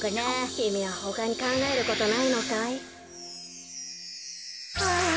きみはほかにかんがえることないのかい？はあ。